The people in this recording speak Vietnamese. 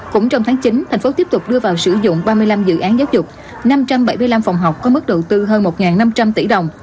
cũng trong tháng chín thành phố tiếp tục đưa vào sử dụng ba mươi năm dự án giáo dục năm trăm bảy mươi năm phòng học có mức đầu tư hơn một năm trăm linh tỷ đồng